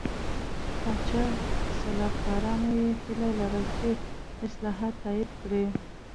پاچا او سلاکارانو یې هیله لرله چې اصلاحات تایید کړي.